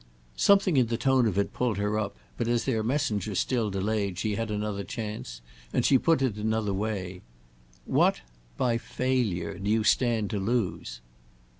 Something in the tone of it pulled her up, but as their messenger still delayed she had another chance and she put it in another way. "What—by failure—do you stand to lose?"